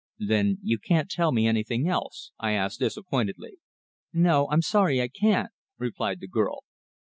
"Then you can't tell me anything else?" I asked disappointedly. "No. I'm sorry I can't," replied the girl.